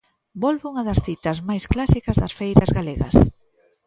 Volve unha das citas máis clásicas das feiras galegas.